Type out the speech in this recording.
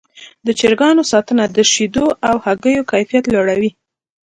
د چرګانو ساتنه د شیدو او هګیو کیفیت لوړوي.